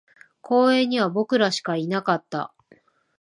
公園には僕らしかいなかった